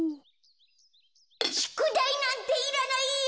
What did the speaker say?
しゅくだいなんていらないよ！